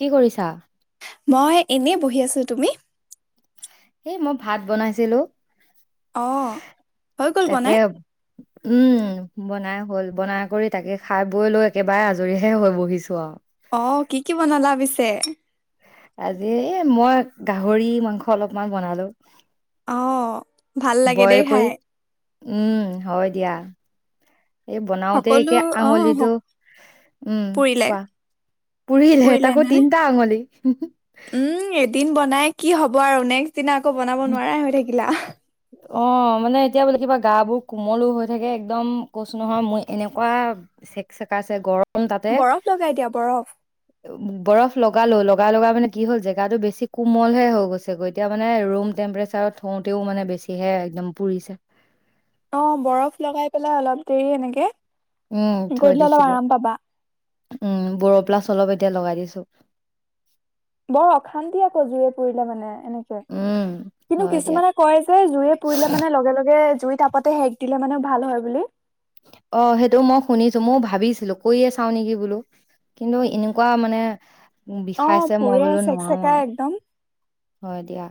কি কৰিছা? মই এনেই বহি আছো, তুমি? এ মই ভাত বনাইছিলো। অঁ হৈ গ'ল তাকে, বনাই উম। বনাই হ'ল। বনাই কৰি তাকে খাই বৈ লৈ একেবাৰে আজৰিহে হৈ বহিছো আৰু। অ' কি-কি বনালা পিছে? আজি--মই গাহৰি মাংস অলপমান বনালো। অহ' ভাল লাগে বইল দেই কৰি খাই। উম হয় দিয়া এই বনাওতে সকলো এতিয়া অঁ আঙুলিতটো সক- উম পুৰিলে কোৱা পুৰিলেে পুৰিলে তাকো নে তিনটা আঙুলি হ উম এদিন বনাই কি হব আৰু এক সিদিনা আকৌ বনাব নোৱাৰাই হৈ থাকিলা অ মানে এতিয়া বোলে কিবা গা বোৰ কোমলো হৈ থাকে একদম কৈছো নহয় মোৰ এনেকুৱা চেক চেকাছে গৰম তাতে বৰফ লগাই দিয়া বৰফ বৰফ লগালো অলপ লগা লগা মানে কি হল জেগাতটো বেছি কোমল হে হৈ গৈছে গৈতিয়া মানে ৰুম টেম্পৰেচাৰত থওঁতেও মানে বেছিহে একদম পুৰিছে অ বৰফ লগাই পেলাই অলপ দেৰি এনেকে উম থৈ গধূলি হলে অলপ দিছিলো আৰাম পাবা উম বৰ প্লাছ অলপ এতিয়া লগাই দিছো বৰ অশান্তি আকৌ জুৰে পুৰিলে মানে এনেকে উম কিন্তু হয় দিয়া কিছুমানে কয় যে জুৰে পুৰিলে মানে লগে লগে জুই তাপতে সেক দিলে মানে ভাল হয় বুলি অ সেইটো মই শুনিছো ময়োও ভাবিছিলো কৰিয়ে চাও নেকি বোলো কিন্তু এনেকুৱা মানে অ বিষাইছে মই পুৰে বোলো চেক নোৱাৰো চেকাই আৰু একদম হয় দিয়া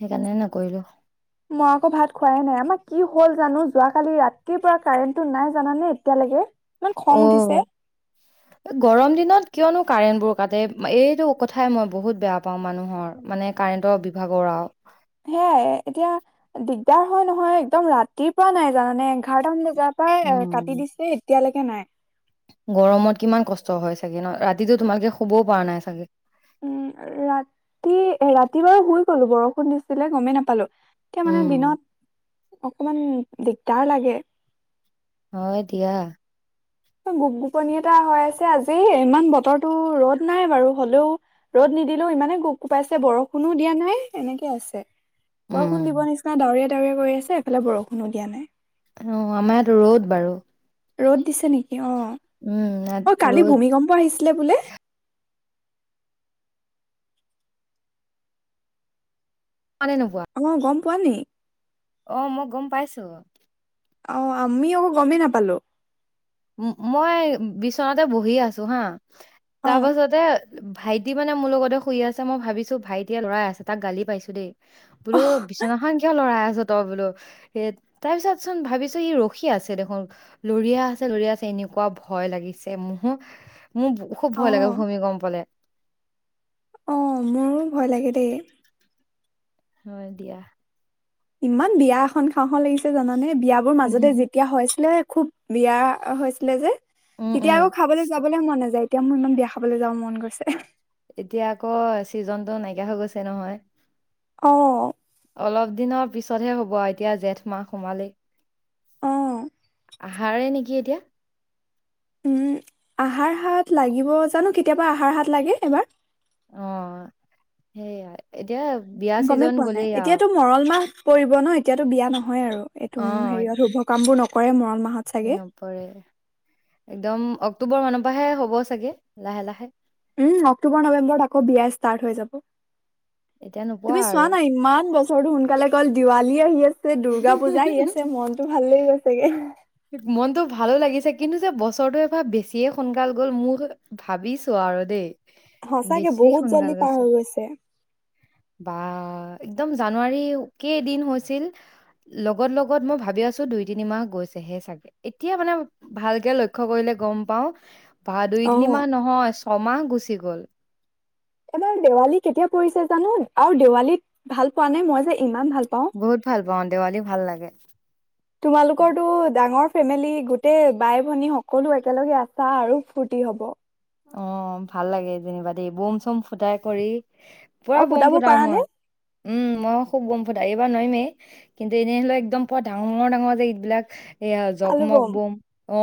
সেইকাৰণে নকৰিলো মই আকৌ ভাত খোৱাইে নাই আমাৰ কি হল জানো যোৱ কালি ৰাতিৰ পৰা কাৰেণ্টটো নাই জানানে এতিয়ালৈকে ইমান খং অ উঠিছে গৰম দিনত কিয়নো কাৰেণ্ট বোৰ কাটে এইটো কথাই মই বহুত বেয়া পাওঁ মানুহৰ মানে কাৰেণ্টৰ বিভাগৰ আৰু সেয়াই এতিয়া দিগদাৰ হয় নহয় একদম ৰাতিৰ পৰা নাই জানানে এঘাৰটাামান বজাত উম কাটি দিছে এতিয়ালৈকে এতিয়া নাই গৰমত কিমান কষ্ট হয় চাগে ন ৰাতিতটো তোমালোকে শুবও পৰা নাই চাগে উম ৰাতি ৰাতি বাৰু শুই গলো বৰষুণ নিছিলে গমেই নাপালো এতিয়া মানে উম দিনত অকমান দিগদাৰ লাগে অ দিয়া গোপ গোপনি এটা হৈ আছে আজি ইমান বতৰটো ৰ'দ নাই বাৰু হলেও ৰ'দ নিদিলেও ইমানে গোপ গোপাইছে বৰষুণো দিয়া নাই এনেকে আছে বৰষুণ দিব উম নিচিনা দাৱৰি কৰি আছে এফালে বৰষুণো দিয়া নাই অ আমাৰাতো ৰ'দ বাৰু ৰ'দ দিছে নেকি অ উম ইয়াত অ কালি ৰ'দ ভূমিকম্প আহিছিলে বোলে আনে নোপোৱা পোৱানি অ মই গম পাইছো অ আমি আকৌ গমেই নাপালো মই বিচনাতে বহি আছো হা অ তাৰ পাছতে ভাইটি মানে মোৰ লগতে শুই আছে, মই ভাবিছোঁ, ভাইটিয়ে লৰাই আছে, তাক গালি পাৰিছোঁ দেই। বোলো অহ বিছনাখন কিয় লৰাই আছ তই বোলো, হেত তাৰ পিছত চোন ভাবিছোঁ, ই ৰখি আছে দেখোন। লৰিয়া আছে ল'ৰি আছে, এনেকুৱা ভয় লাগিছে মোৰ। মোৰ খুব অ ভয় লাগে, ভূমিকম্পলে। অ', মোৰো ভয় লাগে দেই। হয়, দিয়া। ইমান বিয়া এখন খাওঁ, খাওঁ লাগিছ এ, জানানে বিয়াবোৰ মাজতে যেতিয়া হৈ আছিলে খুব বিয়া, হৈছিলে যে উম, উম। তেতিয়া আকৌ খাবলৈ, যাবলৈ মন নাযায়। এতিয়া মোৰ ইমান বিয়া খাবলৈ যাব মন গৈছে। এতিয়া আকৌ, চিজনটো নাইকিয়া হৈ গৈছে নহয়। অ অলপ দিনৰ পিছ ততহে হ'ব আৰু এতিয়া জেঠ মাহ সোমালেই। অ'। আহাৰে নেকি এতিয়া? উম, আহাৰ হাত লাগিব, জানো কেতিয়াবা আহাৰ হাত লাগে, এইবাৰ? অ, সেইয়া এতিয়া বিয়া গ'মেই ছিজন পোৱা নাই। গ'লেই আৰু। এতিয়াতো মৰল মাহ পৰিব ন, এতিয়াতো বিয়া নহ হয় আৰু এইটো, উম, অ' হেৰিয়ত শুভ কামবোৰ নক কৰে, মৰল মাহ নপৰে। একদম অক্টোবৰ মানৰ পৰাহে হ'ব চাগে, লাহে লাহে। উম, অক্টোবৰ নৱেম্বৰত আকৌ বিয়া ষ্টাৰ্ট হৈ যাব। এতিয়া নোপোৱা তুমি চোৱা আৰু। না, ইমান বছৰটো সোনকালে গ'ল। দিৱালী [inaudible] দুৰ্গা পূজা আহি আছে, মন ভাল লাগি গৈছেগে। মনতটো ভালো লাগিছে, কিন্তু যে বছৰটো এবাৰ বেছিয়ে সোনকাল গ'ল, মোৰ, ভাবিছোঁ আৰু দেই। সঁচাকে বেছি বহুত জল্দি সোনকালে পাৰ গৈছে। হৈ বা একদম জানুৱাৰী কেইদিন হৈছিল, লগত, লগত মই ভাবি আছোঁ দুই তিনিমাহ গৈছি তেহে চাগে। এতিয়া মানে, ভালকে লক্ষ্য কৰিলে গ'ম পাওঁ বা, দুই অ তিনি মাহ নহয়, চ ছমাহ গুচি গ'ল। এবাৰ দেৱালী কেতিয়া পৰিছে জানো? আৰু দেৱালীত ভাল পোৱা নে? মই যে, ইমান ভাল পাওঁ। বহুত ভাল পাওঁ দেৱালী ভাল লাগে তোমালোকৰটো ডাঙৰ ফেমিলি গোটেই বাই ভনী সকলো একেলগে আছা আৰু ফূুৰ্তি হব অ ভাল লাগে যেনিবা দেই বোম চোম ফুটাই কৰি পুৰা আৰু বম ফুটাব ফুটাও পাৰা নে মই উম মইো খুব বম ফুটা এইবাৰ নৰিমেই কিন্তু এনেহলে একদম পোৱা ডাঙঙৰ ডাঙৰ যে এই বিলাক এয়া আলু জগমগ বম বুম অ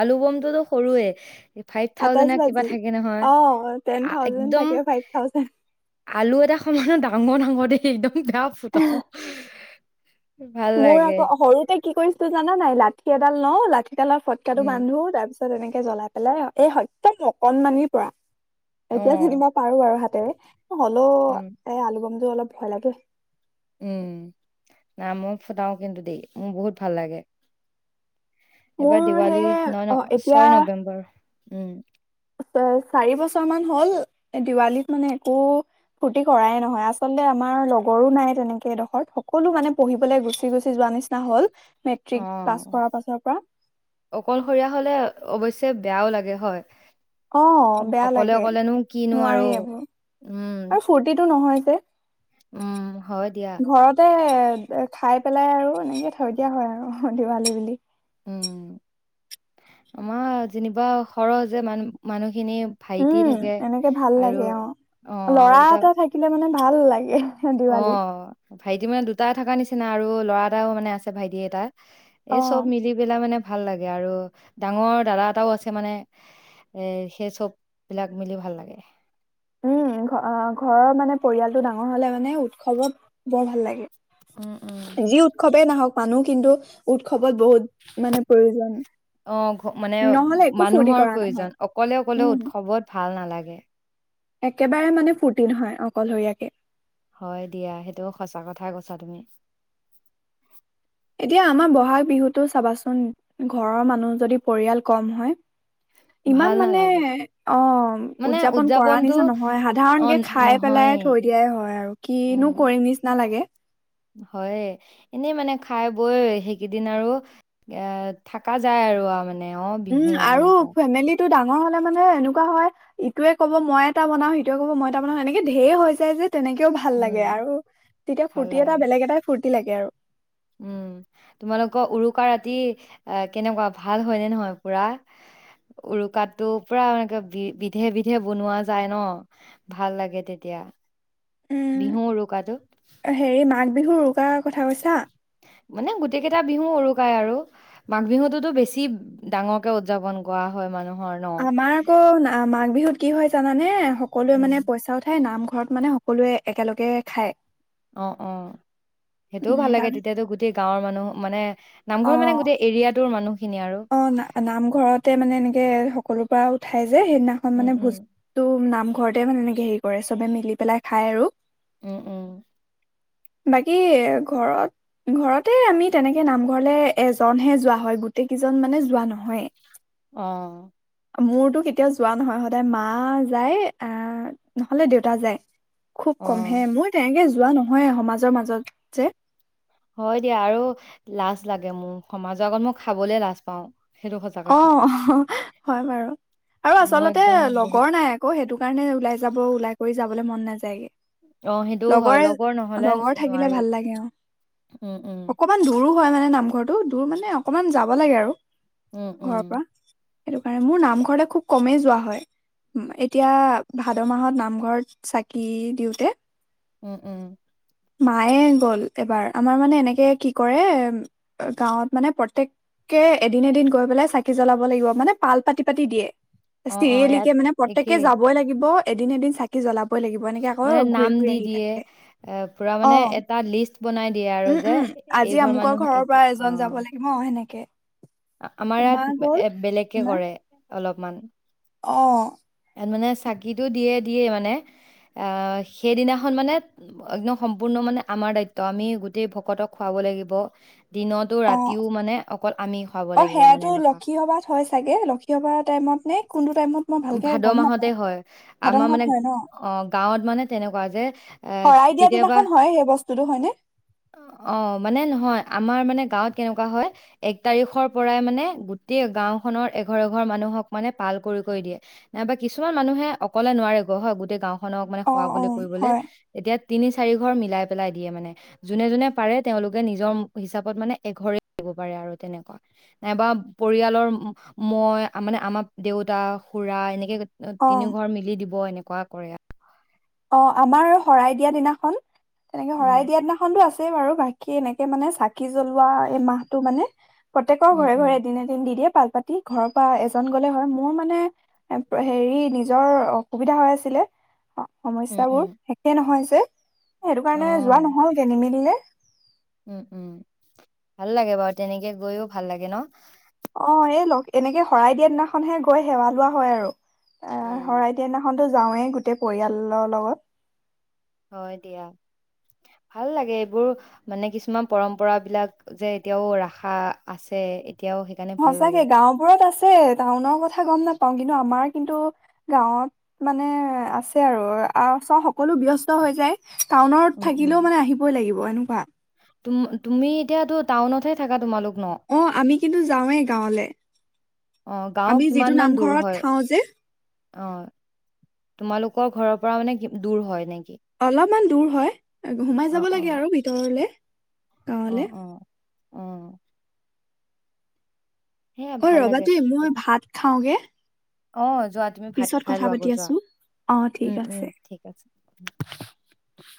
আলু বমটোতো সৰুৱে ফাইভ আঠচ থাউজেণ্ড কিবা বাজি থাকে নহয় অ টেন আ থাজেড একদম থাকে ফাইভ থাজে আলু এটা সমানে ডাঙৰ ডাঙৰ দ একদম ন পতওঁ মোৰ আকৌ সৰুতে কি কৰিছিলো জানা নাই লাঠি এডাল ন লাঠ এতিয়া অপ ফটকাাতটো উম বান্ধো তাৰপিত তেনেকে জ্বলাই পেলাই এই হতে অকনমানিৰ পৰা অ এতিয়া যেনিবা পাৰো আৰু হাত কেলে হ'লও উম এ আলু বম অলপ ভাল আই উম নাই মই ফুটাও কিন্তু দেই মোৰ বহুত ভাল লাগে এইবাৰ মোৰ সেই দিৱালী ন অ ন এতিয়া ছয় নৱেম্বৰ উম চাৰি বছৰ মান হ'ল দিৱালীত মানে একো ফূৰ্তি কৰাই নহয় আচল্ততে আমাৰ লগৰো নাই তেনেকে এডোখৰত সকলো মানে পঢ়িবলৈ গুচি গুচি যোৱা নিচিনা হল অ মেট্ৰিক পাছ কৰাৰ পাছৰ পৰা অকলশৰীয়া হলে অবশ্যে বেয়াও লাগে হয় অ বেয়া অকলে লাগে অকলেনো কিনো আৰু নোৱাৰি এইবোৰ উম আৰু ফূুৰ্তিটো নহয় তে উম হয় দিয়া খাই পেলাই আৰু এনেকে থৈ দিয়া হয় আৰু দিৱালী বুলি উম আমাৰ যেনিবা সৰহ যে মান মানুহিক উম এনেকে ভাল লাগে অ অ আৰু লৰা এটা থাকিলে মানে ভাল লাগে অ দিৱালীত ভাইটি মানে দুটাই থকা নিচিনা নিচিনা আৰু ল'ৰা এটাও মানে আছে ভাইটি এটা অ এই চব মিলি পেলাই মানে ভাল লাগে আৰু ডাঙৰ দাদা এটাও আছে মানে এ সেই চব বিলাক মিলি ভাল লাগে উম ঘৰৰ মানে পৰিয়ালটো ডাঙৰ হলে মানে উৎসৱত বৰ ভাল লাগে উম উম যি উৎসৱেই নাহওক মানুহ কিন্তু উৎস অ মানে নহলে একো ফূৰ্তি মানুহৰ কৰা নহয় প্ৰয়োজন অকলে অকলে উম উৎসৱত ভাল নালাগে ওম একেবাৰে মানে ফূুৰ্তি নহয় অকলশৰীয়াকে হয় দিয়া সেইটো সঁচা কথাই কৈছা তুমি এতিয়া আমাৰ বহাগ বিহুতো চাবাচোন ঘৰৰ মানুহ যদি পৰিয়াল কম হয় ভাল ইমান মানে নালাগে অ মানে উৎযাপন কৰা উদযাপনটো নিচিনা নহয় সাধাৰণ অ কে খাই নহয়ে পেলাই থৈ দিয়াই হয় আৰু কিনো কৰিম নিচিনা লাগে হয় এনেই মানে খাই বৈ সেইকেইদিন আৰু এ থকা যায় আৰু মানে অ উম বিহু আৰু এনেকুৱা ফেমিলিটো ডাঙৰ ডাঙৰ হলে মানে এনেকুৱা হয় ইটয়ে ক'ব মই এটা বনাও স ইটয়ে কব মই এটা বনাও এনেকে ঢেৰ হৈ যায় যে তেনেকেও ভাল উম লাগে আৰু তেতিয়া ভাল ফুৰৰ্তি এটা লাগে বেলেগ এটাই ফুৰৰ্তি লাগে আৰু উম তোমালোকৰ উৰুকা ৰাতি কেনেকুৱা ভাল হয়নে নহয় পুৰা উৰুকাতো পুৰা এনেকে বি বিধে বিধে বনোৱা যায় ন ভাল লাগে তেতিয়া উম বিহু উৰুকাটো হেৰি মাঘ বিহুৰ কৰাৰ কথা কৈছা মানে গোটেই কেইটা বিহু উৰুকাই আৰু মাঘ বিহুতোতো বেছি ডাঙৰকে উৎযাপন কৰা হয় মানুহ আমাৰ আকৌ মাঘ বিহুত কি হয় জানানে সকলোৱে উম মানে পইচা উঠাই নাম ঘৰত মানে সকলোৱে একেলগে খায় অহ অ সেইটোও উম ভাল লাগে তাৰ তেতিয়াতো গোটেই গাঁৱৰ মানুহ মানে নামঘৰ অ মানে গোটেই এৰিয়াটোৰ মানুহ অ ন নামঘৰতে মানে এনেকে ক'ৰ পৰা উঠাই সেইদিনাখন উম মানে উম ভোজো নাম ঘৰতে মানে এনেকে হেৰি কৰে চবে মিলি পেলাই খাই আৰু উম উম বাকী ঘৰত ঘৰতে আমি তেনেকে নামঘৰলে এজনহে যোৱা হয় গোটেই কেইজন মানে যোৱা নহয় অহ মোৰতো কেতিয়াও যোৱা নহয় সদায় মা যায় আহ নহ'লে দেউতা যায় খুব কম অ হে মই তেনেকে যোৱা নহয় সমাজৰ মাজত যে হয় দিয়া আৰু লাজ লাগে মোৰ সমাজৰ আগত মই খাবলে লাজ পাও অ হয় বাৰু আৰু মই আচলতে একদম বহুত লগৰ নাই আকৌ সেইটো। সেই কাৰণে ওলাই যাব ওলাই কৰি যাবলৈ মন নাযায়গে, অ সেইটোও হয় লগৰে লগৰ নহলে লগৰ থাকিলে নোৱাৰি ভাল লাগে অ উম উম অকমান দূৰো হয় মানে নামঘৰটো। তোৰ মানে অকণমান যাব লাগে আৰু উম উম ঘৰ পৰা। সেইটো কাৰণে মোৰ নামঘৰলে খুব কমেই যোৱা হয় এতিয়া ভাদ মাহত নামঘৰত চাকি দিওঁতে উম উম মায়ে গ'ল এবাৰ আমাৰ মানে এনেকে কি কৰে গাঁৱত মানে প্ৰত্যেককে এদিন এদিন গৈ পেলাই চাকি জ্বলাব লাগিব মানে পাল পাতি পাতি দিয়ে অ অ ইয়াত স্ত্ৰীলিকে মানে প্ৰত্যেককে একেই যাবই লাগিব এদিন এদিন চাকি জ্বলাব বই লাগিব এনেকে আকৌ মানে ঘূৰি নাম ঘূৰি দি আহি দিয়ে থাকে এ পুৰা অ মানে এটা লিষ্ট বনাই দিয়ে আৰু উম যে উম আজি এইঘৰ আমুকৰ মানুহ ঘৰৰ পৰা এইটো অ এজন যাব লাগিব অ সেনেকে আমাৰ মা ইয়াত গ'ল এ বেলেগ কে আমাৰ কৰে অলপমান অ এয়াত মানে চাকিটো দিয়ে দিয়ে মানে সেইদিনাখন মানে একদম সম্পূৰ্ণ মানে আমাৰ দায়িত্ব আমি গোটেই ভকতক খুৱাব লাগিব দিনতো অ ৰাতিও মানে অকল আমি খুৱাব অ লাগিব মানে সেয়াতো এনেকুৱা লক্ষীসভাত হয় চাগে লক্ষ্মীসভাৰ টাইমত নে কোনটো টাইমত মই ভালকে ভাদ গম মাহতে নাপাওঁ হয় ভাদ আমাৰ মাহত মানে হয় ন অ গাঁৱত মানে তেনেকুৱা যে এ শৰাই দিয়া কেতিয়াবা দিনাখন হয় সেই বস্তুটো হয়নে অ মানে নহয় আমাৰ মানে গাঁৱত কেনেকুৱা হয় এক তাৰিখৰ পৰাই মানে গোটেই গাওঁ খনৰ এঘৰ এঘৰ মানুহক মানে পাল কৰি কৰি দিয়ে নাইবা কিছুমান মানুহে অকলে নোৱাৰে গ হয় গোটেই গাওঁ খনক মানে অ খুৱ অ বলে কৰিবলে হয় এতিয়া তিনি চাৰি ঘৰ মিলাই পেলাই দিয়ে মানে যোনে যোনে পাৰে তেওঁলোকে নিজৰ হিচাপত মানে এঘৰে দিব পাৰে আৰু তেনেকুৱা নাইবা পৰিয়ালৰ মই মানে আমাৰ দেউতা খোৰা এনেকে অ তিনি ঘৰ মিলি দিব এনেক এনেকুৱা কৰি অঁ আমাৰ শৰাই দিয়া দিনাখন তেনেকে উম শৰাই দিয়া দিনাখনটো আছে। ছে বাৰু বাকী এনেকে মানে চাকি জ্বলোৱা এই মাহটো মানে প্ৰত্যেকৰ উম ঘৰে উম ঘৰে দিনে দিন দি দিয়ে পাল পাতি ঘৰৰ পৰা এজন গলে হয় মোৰ মানে হেৰি নিজৰ অসুবিধা হৈ আছিলে। উম সমস্যা উম বোৰ একে নহয়। কি? সেইটো অ কাৰণে যোৱা নহল যে নিমিলিলে উম উম ভাল লাগে বাৰু তেনেকে গৈও ভাল লাগে ন অ এই ল এনেকে শৰাই দিয়া দিনাখনহে গৈ সেৱা লোৱা হয় আৰু অ শৰাই দিয়ানাখন যাওঁৱেই গোটেই পৰিয়ালৰ লগত হয় দিয়া ভাল লাগে এইবোৰ মানে কিছুমান পৰম্পৰা বিলাক যে এতিয়াও ৰাখা আছে এতিয়াও সেইকাৰণে ভাল লাগে সচাকে গাওবোৰত আছে সেই টাউনৰ কথা গম নাপাওঁ কিন্তু আমাৰ কিন্তু গাঁৱত মানে আছে আৰু চ সকলো ব্যস্ত হৈ যায় টাউনত উম থাকিলেও মানে আহিবই লাগিব অ এনেকুৱা তুমি তুমি এতিয়াতো টাউনত হে থাকা তোমালোক ন অ আমি কিন্তু যাওঁৱেই গাঁৱলে অ গাঁও আমি যিটো কিমান মান দূৰ নামঘৰত হয় থাওঁ যে অ তোমালোকৰ ঘৰৰ পৰা মানে দূৰ হয় নেকি অলপমান দূৰ হয় সোমাই যাব লাগে আৰু ভিতৰলে গাঁৱলে উম উম আহ অ ভাল ৰবা লাগে দেই মই ভাত খাওঁগে অ যোৱা তুমি ভাত পিছত খাই কথা লোৱা পাতি আগৌ যোৱা আছো অ ঠিক উম আছে উম ঠিক আছে [unintelligible]